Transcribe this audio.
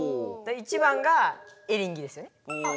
１番がエリンギですよね。